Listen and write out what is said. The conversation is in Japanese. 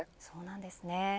そうなんですね。